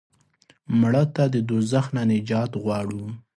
مړه ته د دوزخ نه نجات غواړو